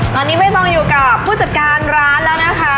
ตอนนี้ไม่ต้องอยู่กับผู้จัดการร้านแล้วนะคะ